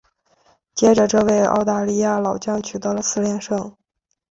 接着这位澳大利亚老将取得了四连胜。